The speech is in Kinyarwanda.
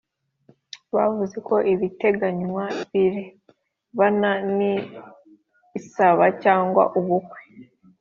bavuze ko ibiteganywa birebana n isaba cyangwa n ubukwe